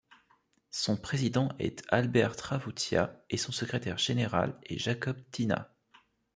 Son président est Albert Ravutia, et son secrétaire général est Jacob Thyna.